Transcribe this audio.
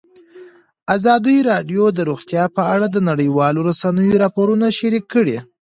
ازادي راډیو د روغتیا په اړه د نړیوالو رسنیو راپورونه شریک کړي.